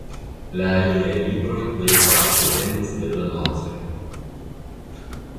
La aliaj libroj plejparte venis de donacoj.